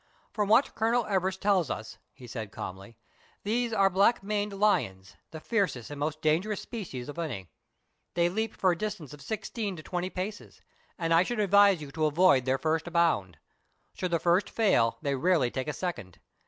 " From what Colonel Everest tells us," he said calmly, "these are black maned lions, the fiercest and most danger ous species of any. They leap for a distance of sixteen to twenty paces, and I should advise you to avoid their first bound. Should the first fail, they rarely take a second.